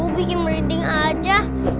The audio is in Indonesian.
bikin merinding aja